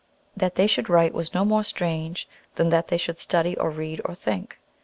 That they should write was no more strange than that they should study, or read, or think.